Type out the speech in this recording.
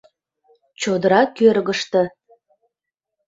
Чодыра кӧргыштӧ